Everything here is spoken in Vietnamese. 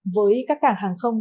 với các cảng hàng không